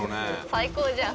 最高じゃん。